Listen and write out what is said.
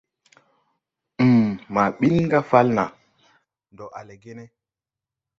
Ūuu maa ɓin ga Falna. Ndɔ a le ge ne ?